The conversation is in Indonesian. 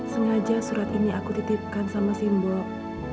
sengaja surat ini aku titipkan sama simbol